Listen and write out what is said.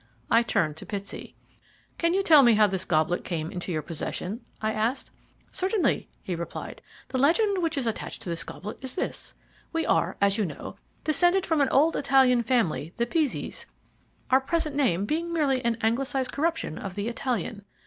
I turned to Pitsey. "Can you tell me how this goblet came into your possession?" I asked. "Certainly," he replied; "the legend which is attached to the goblet is this. We are, as you know, descended from an old Italian family, the Pizzis, our present name being merely an Anglicized corruption of the Italian.